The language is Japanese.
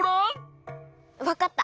わかった。